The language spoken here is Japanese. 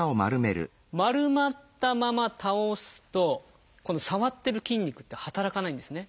丸まったまま倒すとこの触ってる筋肉って働かないんですね。